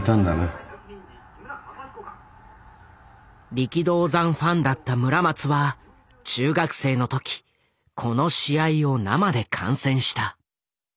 力道山ファンだった村松は中学生の時この試合を生で観戦した。